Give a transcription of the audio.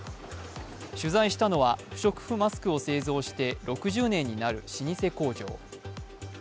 取材したのは不織布マスクを製造して６０年になる老舗工場。